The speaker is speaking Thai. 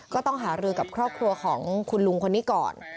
ก็ต้องหารือกับครอบครัวของคุณลุงคนนี้ก่อน